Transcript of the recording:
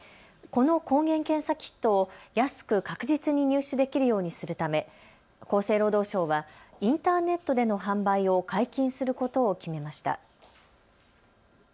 この抗原検査キットを安く確実に入手できるようにするため、厚生労働省はインターネットでの販売を解禁することを決めました。